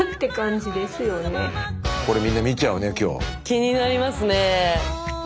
気になりますね。